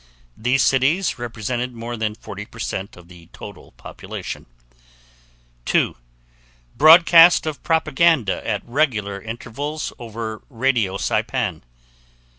These cities represented more than 40% of the total population. 2. Broadcast of propaganda at regular intervals over radio Saipan.